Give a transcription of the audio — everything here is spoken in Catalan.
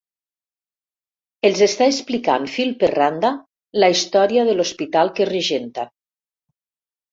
Els està explicant fil per randa la història de l'hospital que regenta.